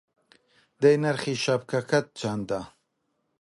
دەی نرخی شەپکەکەت چەندە!